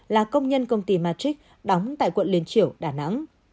là công nhân công ty matrick đóng tại quận liên triểu đà nẵng